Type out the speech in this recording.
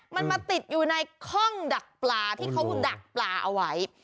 มันมาติดอยู่ในห้องดักปลาที่เขาดักปลาเอาไว้